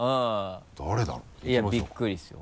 誰だろう？いやびっくりですよ